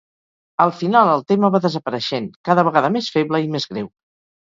Al final, el tema va desapareixent, cada vegada més feble i més greu.